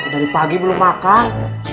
dari pagi belum makan